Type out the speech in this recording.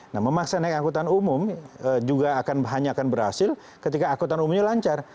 nah memaksa naik angkutan umum juga hanya akan berhasil ketika angkutan umumnya lancar